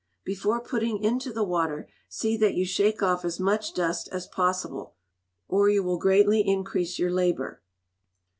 Before putting into the water, see that you shake off as much dust as possible, or you will greatly increase your labour.